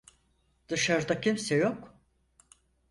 Dışarıda kimse yok.